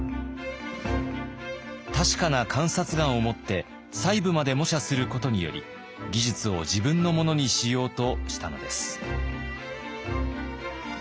確かな観察眼をもって細部まで模写することにより技術を自分のものにしようとしたのです。